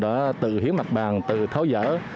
đó là tự hiếm mặt bàn tự tháo dở